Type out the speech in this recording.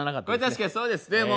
これ確かにそうですね。